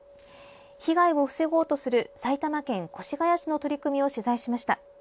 被害を防ごうとする埼玉県越谷市の取り組みを取材しました。